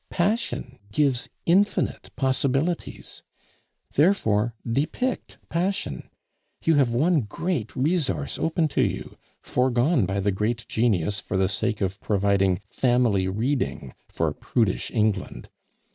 Passion gives infinite possibilities. Therefore depict passion; you have one great resource open to you, foregone by the great genius for the sake of providing family reading for prudish England.